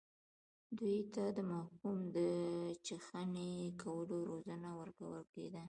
دوی ته د محکوم د چخڼي کولو روزنه ورکول کېده.